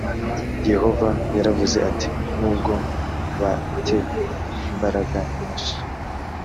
yehova yaravuze ati nubwo ba te imbaraga nyinshi